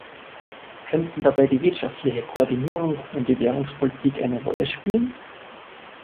Könnten dabei die wirtschaftliche Koordinierung und die Währungspolitik eine Rolle spielen?